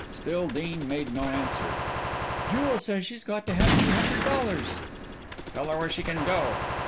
Still Dean made no answer. "Jewel says she's got to have two hundred dollars." "Tell her where she can go."